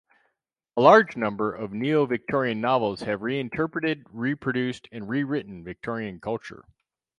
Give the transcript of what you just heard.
A large number of neo-Victorian novels have reinterpreted, reproduced and rewritten Victorian culture.